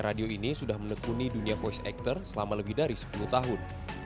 radio ini sudah menekuni dunia voice actor selama lebih dari sepuluh tahun